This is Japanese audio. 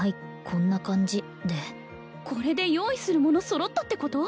こんな感じでこれで用意するもの揃ったってこと？